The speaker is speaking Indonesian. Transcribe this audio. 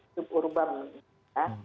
suburban gitu ya